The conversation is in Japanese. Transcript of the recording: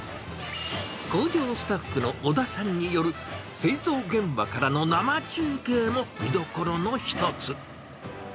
工場スタッフの小田さんによる、製造現場からの生中継も見どころの一つ。